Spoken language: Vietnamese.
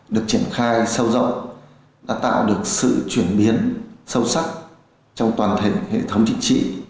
được triển khai sâu rộng đã tạo được sự chuyển biến sâu sắc trong toàn thể hệ thống chính trị